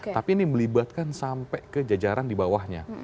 tapi ini melibatkan sampai ke jajaran di bawahnya